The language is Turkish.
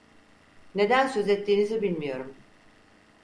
Neden söz ettiğinizi bilmiyorum.